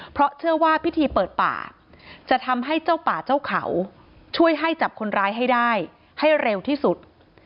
เพราะเชื่อว่าพิธีเปิดป่าจะทำให้เจ้าป่าเจ้าเขาช่วยให้จับคนร้ายให้ได้ให้เร็วที่สุด